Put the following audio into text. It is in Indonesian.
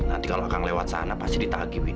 nanti kalau akan lewat sana pasti ditagi